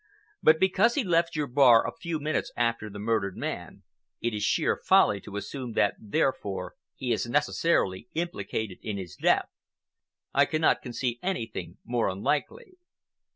But because he left your bar a few minutes after the murdered man, it is sheer folly to assume that therefore he is necessarily implicated in his death. I cannot conceive anything more unlikely."